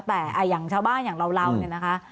แต่อย่างชาวบ้านอย่างเราเนี่ยนะคะ